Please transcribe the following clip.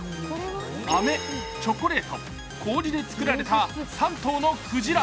あめ、チョコレート、氷で作られた３頭の鯨。